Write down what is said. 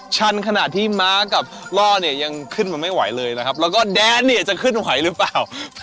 ชันขณะที่ม้ากับล่อเนี่ยยังขึ้นมาไม่ไหวเลยนะครับแล้วก็แดนเนี่ยจะขึ้นไหวหรือเปล่า